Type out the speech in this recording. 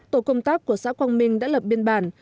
tổ công tác của xã quang minh đã lập biện